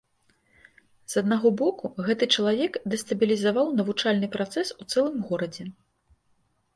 З аднаго боку, гэты чалавек дэстабілізаваў навучальны працэс у цэлым горадзе.